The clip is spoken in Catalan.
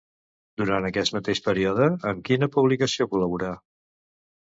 Durant aquest mateix període, en quina publicació col·laborà?